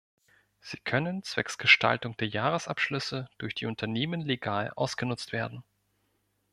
Sie können zwecks Gestaltung der Jahresabschlüsse durch die Unternehmen legal ausgenutzt werden.